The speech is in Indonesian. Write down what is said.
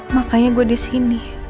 makanya gue disini